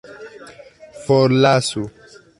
forlasu